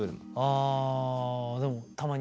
あでもたまに。